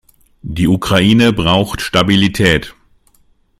Die Ukraine braucht Stabilität.